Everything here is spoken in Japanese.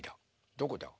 どこだ？